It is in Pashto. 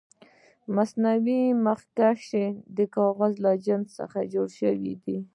مصنوعي مخکشونه د کاغذ له جنس څخه جوړ شوي دي.